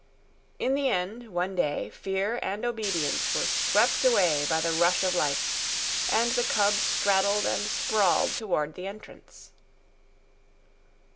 In the end, one day, fear and obedience were swept away by the rush of life, and the cub straddled and sprawled toward the entrance.